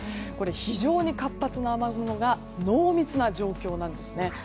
非常に活発な雨雲が濃密な状況なんですね。